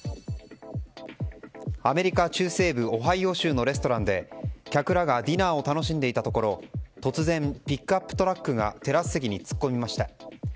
アメリカ中西部オハイオ州のレストランで客らがディナーを楽しんでいたところ突然ピックアップトラックがテラス席に突っ込みました。